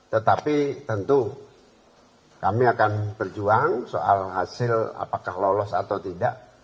tetapi tentu kami akan berjuang soal hasil apakah lolos atau tidak